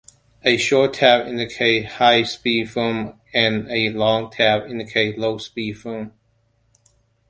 A short tab indicated high-speed film, and a long tab indicated low-speed film.